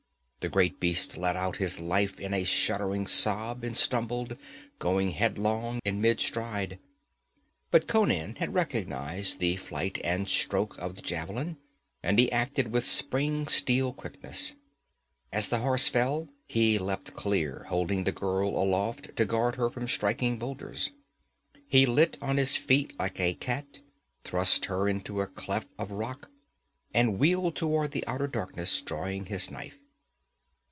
The great beast let out his life in a shuddering sob and stumbled, going headlong in mid stride. But Conan had recognized the flight and stroke of the javelin, and he acted with spring steel quickness. As the horse fell he leaped clear, holding the girl aloft to guard her from striking boulders. He lit on his feet like a cat, thrust her into a cleft of rock, and wheeled toward the outer darkness, drawing his knife.